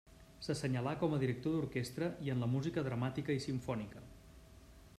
S'assenyalà com a director d'orquestra i en la música dramàtica i simfònica.